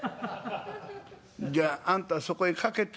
じゃああんたそこへ掛けて」。